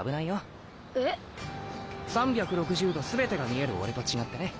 ３６０°全てが見える俺と違ってね。